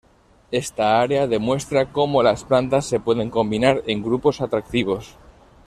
Esta área demuestra cómo las plantas se pueden combinar en grupos atractivos.